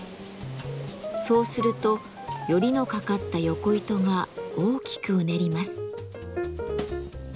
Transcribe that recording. そうするとヨリのかかったヨコ糸が大きくうねります。